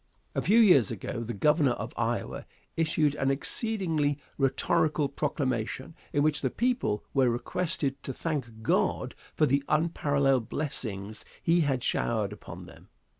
A few years ago the Governor of Iowa issued an exceedingly rhetorical proclamation, in which the people were requested to thank God for the unparalleled blessings he had showered upon them.